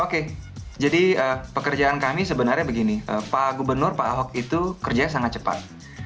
oke jadi pekerjaan kami sebenarnya begini pak gubernur pak ahok itu kerjanya sangat cepat